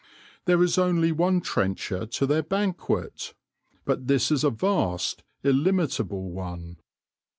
There is only one trencher to their banquet, but this is a vast, illimitable one.